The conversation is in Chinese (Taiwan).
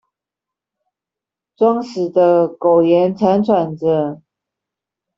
裝死的苟延慘喘著